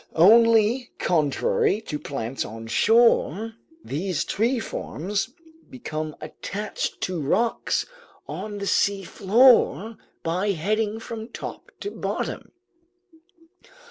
Only, contrary to plants on shore, these tree forms become attached to rocks on the seafloor by heading from top to bottom.